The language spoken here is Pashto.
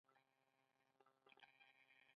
کیوبیک ولایت بریښنا خرڅوي.